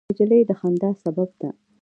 نجلۍ د خندا سبب ده.